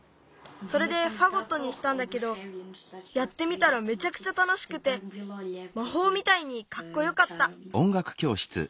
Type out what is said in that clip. それでファゴットにしたんだけどやってみたらめちゃくちゃたのしくてまほうみたいにかっこよかった。